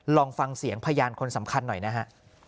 ลองฟังเสียงพยานคนสำคัญหน่อยนะฮะ